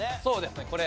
そうですね。